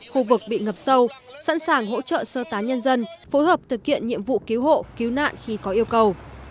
khu vực bị ngập sâu sẵn sàng hỗ trợ sơ tán nhân dân phối hợp thực hiện nhiệm vụ cứu hộ cứu nạn khi có yêu cầu